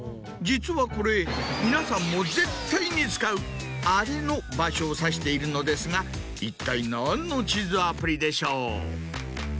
実はこれ皆さんも絶対に使うあれの場所を指しているのですが一体何の地図アプリでしょう？